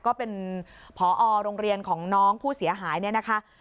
ก็เป็นพอโรงเรียนของน้องผู้เสียหายเนี่ยนะคะ